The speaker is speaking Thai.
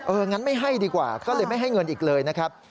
งั้นไม่ให้ดีกว่าก็เลยไม่ให้เงินอีกเลยนะครับ